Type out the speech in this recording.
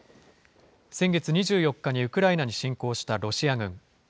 先月２４日にウクライナに侵攻したロシア軍。